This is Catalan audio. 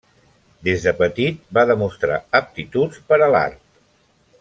Des de petit va demostrar aptituds per a l'art.